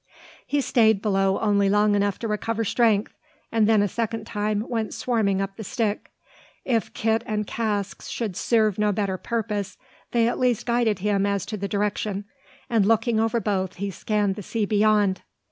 He stayed below only long enough to recover strength; and then a second time went swarming up the stick. If kit and casks should serve no better purpose, they at least guided him as to the direction; and looking over both, he scanned the sea beyond.